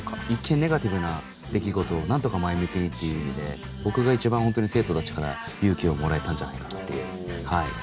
一見ネガティブな出来事をなんとか前向きにっていう意味で僕が一番ホントに生徒たちから勇気をもらえたんじゃないかなっていうはい。